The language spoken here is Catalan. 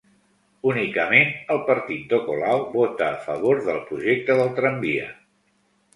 Únicament el partit de Colau vota a favor del projecte del tramvia